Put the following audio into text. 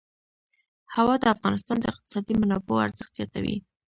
هوا د افغانستان د اقتصادي منابعو ارزښت زیاتوي.